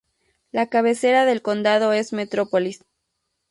La cabecera del condado es Metropolis.